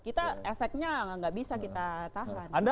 kita efeknya nggak bisa kita tahan